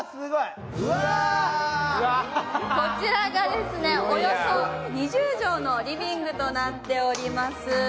こちらが、およそ２０畳のリビングとなっております。